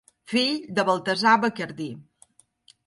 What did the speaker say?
Fill de Baltasar Bacardí.